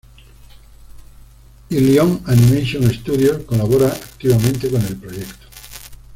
Ilion Animation Studios colabora activamente con el proyecto.